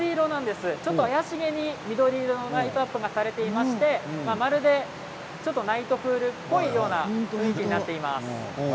ちょっと怪しげに緑色のライトアップがされていましてまるでナイトプールっぽい雰囲気になっています。